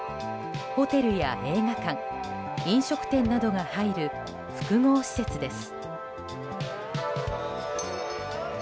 ホテルや映画館飲食店などが入る複合施設です。